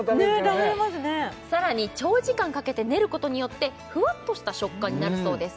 食べれますねさらに長時間かけて練ることによってふわっとした食感になるそうです